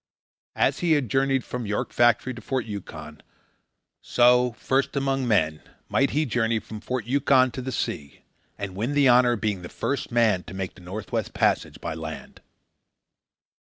As he had journeyed from York Factory to Fort Yukon, so, first among men, might he journey from Fort Yukon to the sea and win the honour of being the first man to make the North West Passage by land.